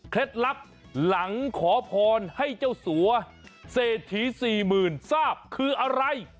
ลับหลังขอพรให้เจ้าสัวเศรษฐี๔๐๐๐ทราบคืออะไร